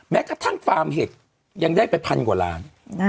แม้กระทั่งฟาร์มเห็ดยังได้ไปพันกว่าล้าน